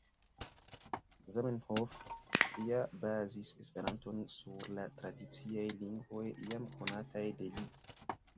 Zamenhof ja bazis Esperanton sur la tradiciaj lingvoj jam konataj de li.